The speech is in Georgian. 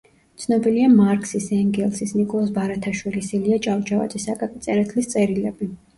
ცნობილია მარქსის, ენგელსის, ნიკოლოზ ბარათაშვილის, ილია ჭავჭავაძის, აკაკი წერეთლის წერილები.